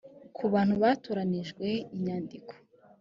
ku bantu batoranijwe inyandiko